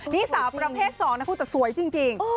นี่สาวประเภท๒นะคุณแต่สวยจริง